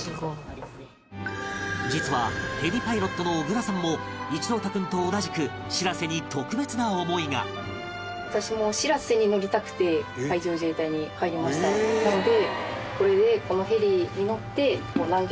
実はヘリパイロットの小倉さんも一朗太君と同じく「しらせ」に特別な思いがなので。